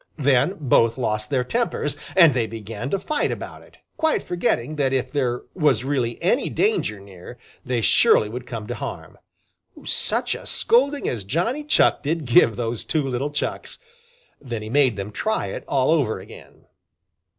Then both lost their tempers and they began to fight about it, quite forgetting that if there was really any danger near, they surely would come to harm. Such a scolding as Johnny Chuck did give those two little Chucks! Then he made them try it all over again.